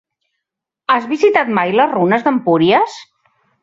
Has visitat mai les runes d'Empúries?